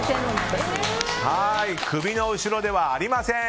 首の後ろではありません！